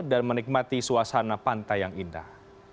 dan menikmati suasana pantai yang indah